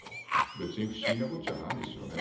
別に不思議なこっちゃないんですよね。